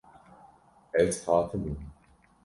Ez hatibûm.